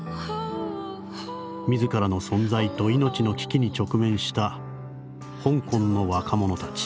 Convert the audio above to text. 「自らの存在と命の危機に直面した香港の若者たち。